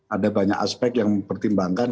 ada banyak aspek yang mempertimbangkan